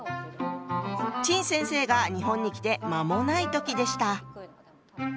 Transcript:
陳先生が日本に来て間もない時でした。